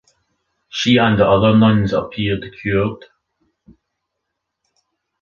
She and the other nuns appear cured.